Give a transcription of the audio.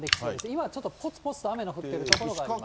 今はちょっとぽつぽつと雨の降っている所があります。